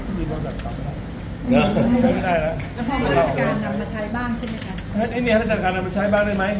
มาใช้บ้างใช่ไหมคะนังนี้แหละสักการณ์มาใช้บ้างได้ไหม